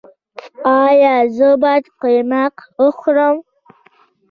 ایا زه باید قیماق وخورم؟